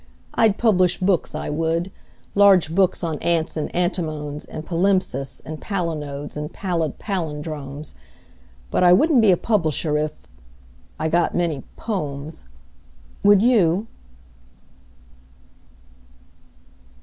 I'd publish books, I would large books on ants and antinomes And palimpsests and palinodes and pallid pallindromes: But I wouldn't be a publisher if .... I got many "pomes." Would you?